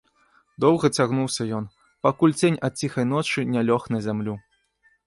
Доўга цягнуўся ён, пакуль цень ад ціхай ночы не лёг на зямлю.